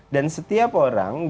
dan setiap orang